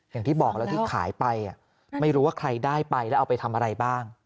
อย่างที่บอกแล้วที่ขายไปไม่รู้ว่าใครได้ไปแล้วเอาไปทำอะไรบ้าง